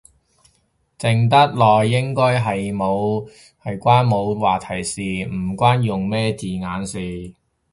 靜得耐應該係關冇話題事，唔關用咩字眼事